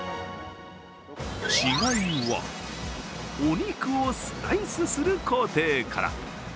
違いは、お肉をスライスする工程から。